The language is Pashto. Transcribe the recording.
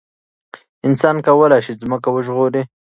انسان کولای شي ځمکه وژغوري.